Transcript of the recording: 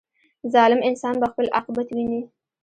• ظالم انسان به خپل عاقبت ویني.